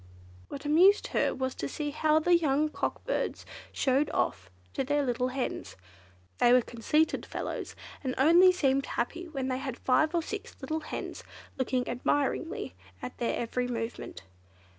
What amused her was to see how the young cock birds showed off to the little hens. They were conceited fellows, and only seemed happy when they had five or six little hens looking admiringly at their every movement.